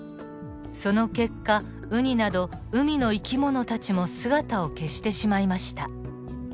その結果ウニなど海の生き物たちも姿を消してしまいました。